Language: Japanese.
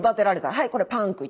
はいこれパンク１。